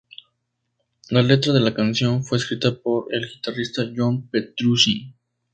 La letra de la canción fue escrita por el guitarrista John Petrucci.